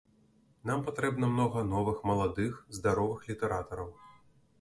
Нам патрэбна многа новых маладых, здаровых літаратараў.